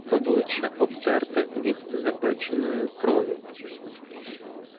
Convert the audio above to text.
Обличчя обтерте від запеченої крові.